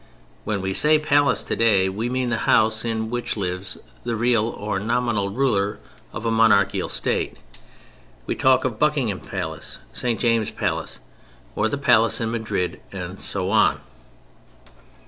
When we say "palace" today we mean the house in which lives the real or nominal ruler of a monarchical state. We talk of Buckingham Palace, St. James' Palace, the Palace in Madrid, and so on.